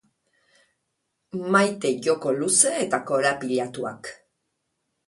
Maite joko luze eta korapilatuak.